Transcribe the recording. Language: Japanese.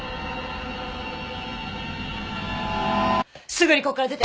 すぐにここから出て。